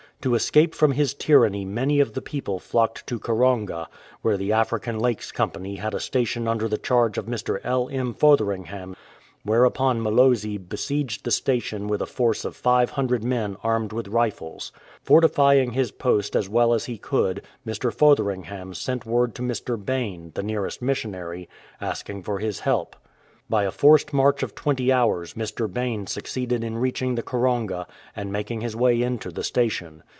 To escape from his tyranny many of the people flocked to Karonga, where the African Lakes Company had a station under the charge of Mr. L. M. Fotheringham ; whereupon Mlozi besieged the station with a force of five hundred men armed with rifles. Fortifying his post as well as he could, Mr. Fotheringham sent word to Mr. Bain, the nearest missionary, asking for his help. By a forced march of twenty hours Mr. Bain succeeded in reaching Karonga and making his way into the station.